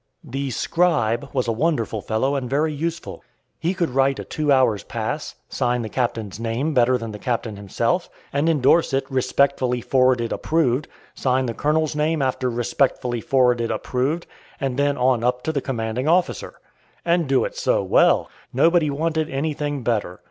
The Scribe was a wonderful fellow and very useful. He could write a two hours' pass, sign the captain's name better than the captain himself, and endorse it "respectfully forwarded approved," sign the colonel's name after "respectfully forwarded approved," and then on up to the commanding officer. And do it so well! Nobody wanted anything better.